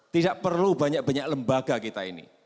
tidak perlu banyak banyak lembaga kita ini